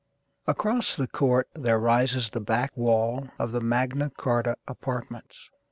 ACROSS the court there rises the back wall Of the Magna Carta Apartments.